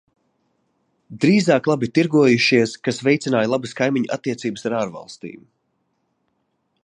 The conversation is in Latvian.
Drīzāk labi tirgojušies, kas veicināja labas kaimiņu attiecības ar ārvalstīm.